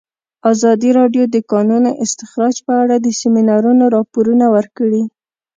ازادي راډیو د د کانونو استخراج په اړه د سیمینارونو راپورونه ورکړي.